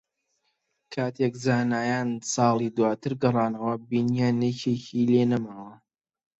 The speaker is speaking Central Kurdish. کاتێک زانایان ساڵی داواتر گەڕانەوە، بینییان یەکێکی لێ نەماوە